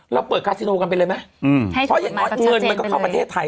เราเปิดคาซิโนกันไปเลยไหมเพราะอย่างน้อยเงินมันก็เข้าประเทศไทย